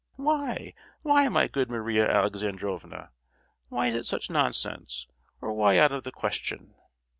"Why, why, my good Maria Alexandrovna? Why is it such nonsense, or why out of the question?"